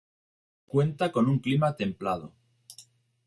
Cuenta con un clima templado.